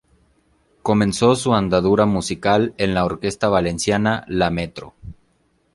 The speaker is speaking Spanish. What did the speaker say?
Comenzó su andadura musical en la orquesta valenciana "La Metro".